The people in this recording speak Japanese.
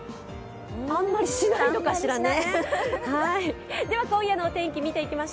あんまりしないのかしらね。